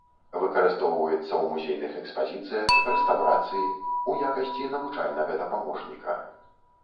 Выкарыстоўваецца ў музейных экспазіцыях, рэстаўрацыі, у якасці навучальнага дапаможніка.